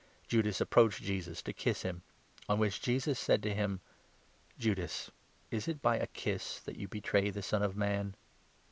Judas approached Jesus, to kiss him ; on which Jesus said to him : 48 "Judas, is it by a kiss that you betray the Son of Man